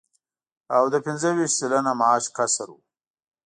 او د پنځه ویشت سلنه معاش کسر و